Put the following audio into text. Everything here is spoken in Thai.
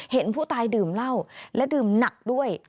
เห็นผู้ตายดื่มเหล้าและดื่มหนักด้วย